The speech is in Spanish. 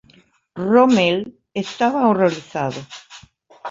Rommel estaba horrorizado.